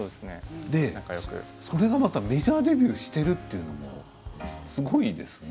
それがまたメジャーデビューしているというのが、すごいですね。